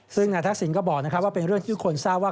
ซึ่งนายทักษิณก็บอกว่าเป็นเรื่องที่คนทราบว่า